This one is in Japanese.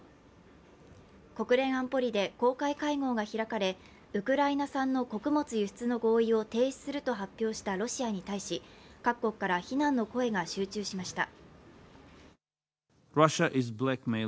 国連安保理で公開会合が開かれウクライナ産の穀物輸出の合意を停止すると発表したロシアに対し各国から非難の声が集中しました。